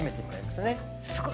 すごい。